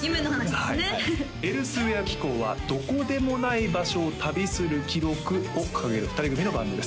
はいエルスウェア紀行は「どこでもない場所を旅する記録」を掲げる２人組のバンドです